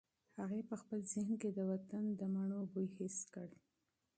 هغې په خپل ذهن کې د وطن د مڼو بوی حس کړ.